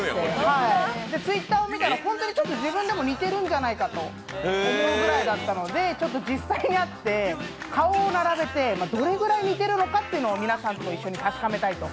Ｔｗｉｔｔｅｒを見たら、自分でも似てるんじゃないかなと思うぐらいだったのでちょっと実際に会って顔を並べてどれぐらい似てるのかというのを皆さんと一緒に確かめたいなと。